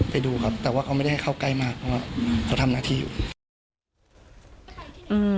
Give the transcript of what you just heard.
ไปดูครับแต่ว่าเขาไม่ได้ให้เข้าใกล้มากเพราะว่าเขาทำหน้าที่อยู่อืม